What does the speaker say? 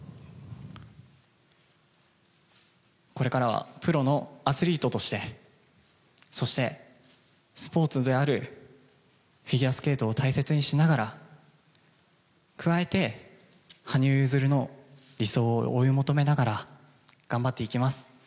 これからは、プロのアスリートとして、そしてスポーツであるフィギュアスケートを大切にしながら、加えて、羽生結弦の理想を追い求めながら頑張っていきます。